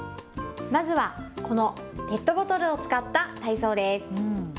まずはこのペットボトルを使った体操です。